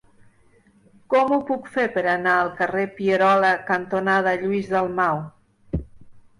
Com ho puc fer per anar al carrer Pierola cantonada Lluís Dalmau?